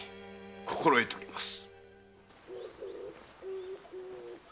心得ております。